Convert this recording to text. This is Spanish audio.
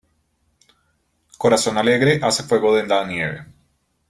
Corazón alegre hace fuego de la nieve.